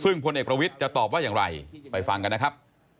ซึ่งพลเอกประวิทย์จะตอบว่าอย่างไรไปฟังกันนะครับ